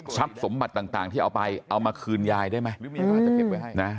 ชับสมบัติต่างที่เอาไปเอามาคืนยายได้ไหม